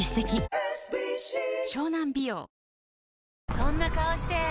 そんな顔して！